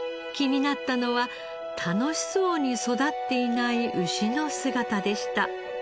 気になったのは楽しそうに育っていない牛の姿でした。